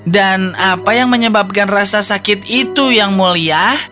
dan apa yang menyebabkan rasa sakit itu yang mulia